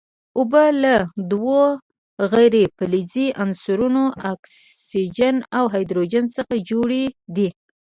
اوبه له دوو غیر فلزي عنصرونو اکسیجن او هایدروجن څخه جوړې دي.